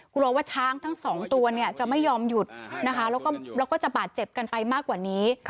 กลัวว่าช้างทั้งสองตัวจะไม่ยอมหยุดนะคะแล้วก็จะบาดเจ็บกันไปมากกว่านี้